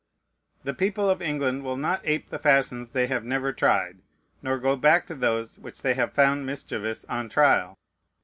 The people of England will not ape the fashions they have never tried, nor go back to those which they have found mischievous on trial.